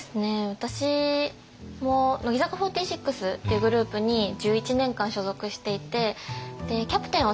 私も乃木坂４６っていうグループに１１年間所属していてキャプテンを３年半務めて。